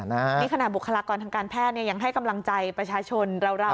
นี่ขณะบุคลากรทางการแพทย์ยังให้กำลังใจประชาชนเรา